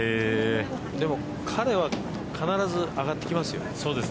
でも彼は必ず上がってきますよ。